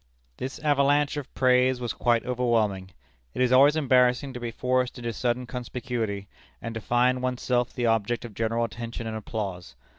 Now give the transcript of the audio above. This avalanche of praise was quite overwhelming. It is always embarrassing to be forced into sudden conspicuity, and to find one's self the object of general attention and applause.